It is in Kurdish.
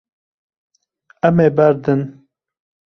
Em ê berdin.